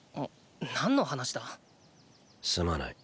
何の話だ？すまない。